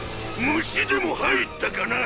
虫でも入ったかなぁ！！